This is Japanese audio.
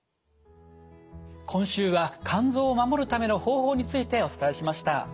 今週は肝臓を守るための方法についてお伝えしました。